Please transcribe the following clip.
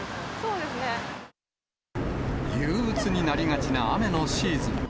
憂うつになりがちな雨のシーズン。